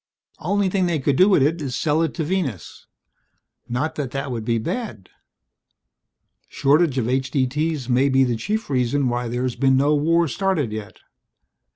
Only thing they could do with it is sell it to Venus. Not that that would be bad. Shortage of H.D.T.'s may be the chief reason why there's been no war started yet.